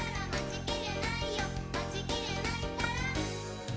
「まちきれないったら！」